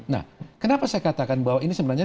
nah kenapa saya katakan bahwa ini sebenarnya